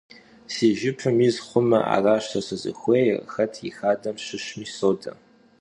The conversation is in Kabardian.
Si jjıpım yiz xhume, araş se sızıxuêyr, xet yi xadem şışmi sode.